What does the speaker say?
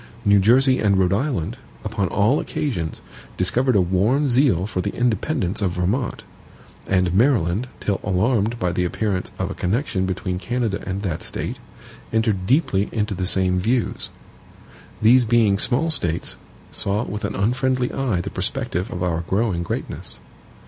New Jersey and Rhode Island, upon all occasions, discovered a warm zeal for the independence of Vermont; and Maryland, till alarmed by the appearance of a connection between Canada and that State, entered deeply into the same views. These being small States, saw with an unfriendly eye the perspective of our growing greatness.